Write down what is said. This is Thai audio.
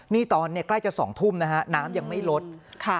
นี่ตอนนี้ใกล้จะ๒ทุ่มนะฮะน้ำยังไม่ลด